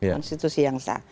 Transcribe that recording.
konstitusi yang sah